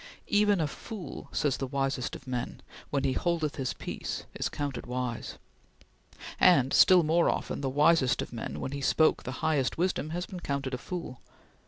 "Even a fool," said the wisest of men, "when he holdeth his peace, is counted wise," and still more often, the wisest of men, when he spoke the highest wisdom, has been counted a fool.